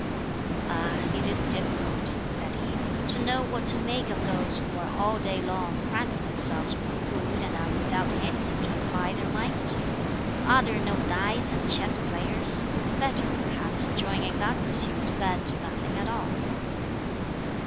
"Ah, it is difficult," said he, "to know what to make of those who are all day long cramming themselves with food and are without anything to apply their minds to! Are there no dice and chess players? Better, perhaps, join in that pursuit than do nothing at all!"